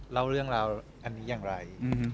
เล่าเรื่องราวอันนี้อย่างไร